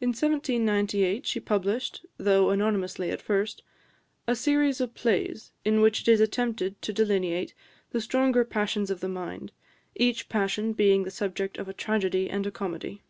In 1798, she published, though anonymously at first, "A Series of Plays: in which it is attempted to delineate the stronger Passions of the Mind, each Passion being the subject of a Tragedy and a Comedy."